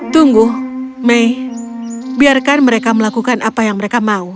tunggu mei biarkan mereka melakukan apa yang mereka mau